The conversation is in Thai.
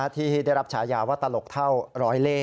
ที่ได้รับฉายาว่าตลกเท่าร้อยเล่